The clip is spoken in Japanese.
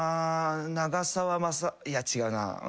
長澤まさいや違うな。